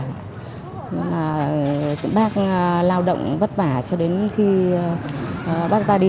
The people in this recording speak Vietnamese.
nhưng mà bác lao động vất vả cho đến khi bác ta đi